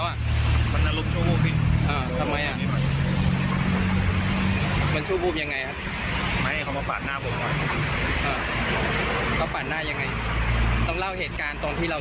อ้าวจับได้ไหมครับ